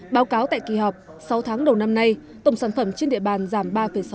báo cáo tại kỳ họp sáu tháng đầu năm nay tổng sản phẩm trên địa bàn giảm ba sáu